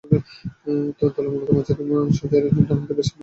দলে মূলতঃ মাঝারিসারির ডানহাতি ব্যাটসম্যান ছিলেন ট্রেভর বারবার।